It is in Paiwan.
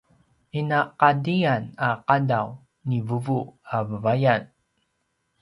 inaqatiyan a qadaw ni vuvu vavayan